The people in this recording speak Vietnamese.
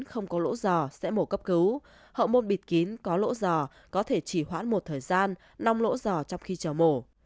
hậu môn bịt kín có lỗ giò có thể chỉ khoản một thời gian nong lỗ giò trong khi chờ mổ